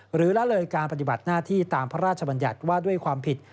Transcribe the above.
ละเลยการปฏิบัติหน้าที่ตามพระราชบัญญัติว่าด้วยความผิด